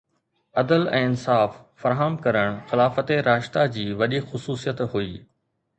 عدل ۽ انصاف فراهم ڪرڻ خلافت راشده جي وڏي خصوصيت هئي